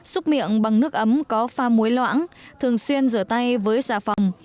xúc miệng bằng nước ấm có pha muối loãng thường xuyên rửa tay với xà phòng